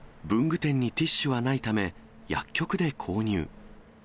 文具店にティッシュはないため、薬局で購入。